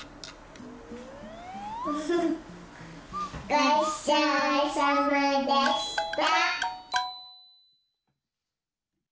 ごちそうさまでした。